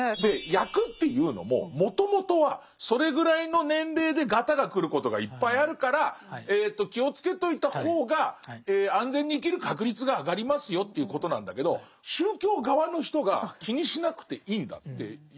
厄っていうのももともとはそれぐらいの年齢でガタがくることがいっぱいあるから気をつけといた方が安全に生きる確率が上がりますよっていうことなんだけど宗教側の人が気にしなくていいんだって言う。